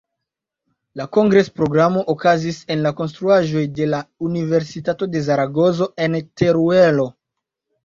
La kongres-programo okazis en la konstruaĵoj de la Universitato de Zaragozo en Teruelo.